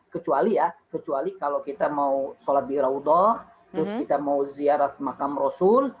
kecuali ya kecuali kalau kita mau sholat di raudah terus kita mau ziarah makam rasul